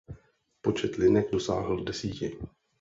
Počet linek dosáhl desíti.